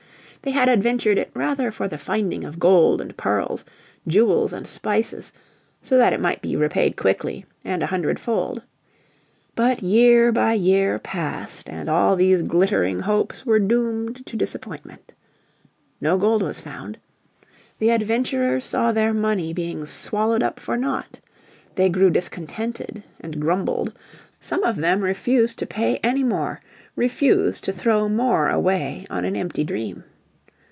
They had adventured it rather for the finding of gold and pearls, jewels and spices, so that it might be repaid quickly, and a hundredfold. But year by year passed, and all these glittering hopes were doomed to disappointment. No gold was found. The adventurers saw their money being swallowed up for nought. They grew discontented and grumbled, some of them refused to pay any more, refused to throw more away on an empty dream.